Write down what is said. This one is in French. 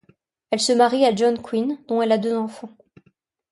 Elle se marie à John Quinn, dont elle a deux enfants.